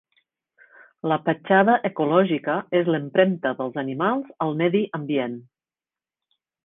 La petjada ecològica és l'empremta dels animals al medi ambient.